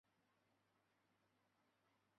台湾早熟禾为禾本科早熟禾属下的一个种。